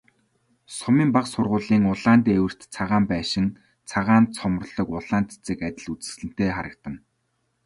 Сумын бага сургуулийн улаан дээвэрт цагаан байшин, цагаан цоморлог улаан цэцэг адил үзэсгэлэнтэй харагдана.